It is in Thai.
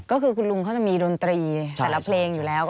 ก็คือคุณลุงเขาจะมีดนตรีแต่ละเพลงอยู่แล้ว